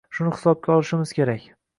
Shuni hisobga olishimiz kerak.